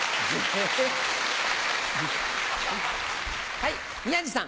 はい宮治さん。